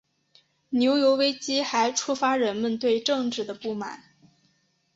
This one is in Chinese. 牛油危机还触发人们对政治的不满。